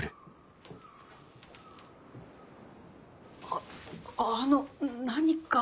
あっあの何か？